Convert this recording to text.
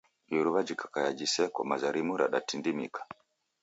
Iruwa jikakaia jiseko, maza rimu ratindimika.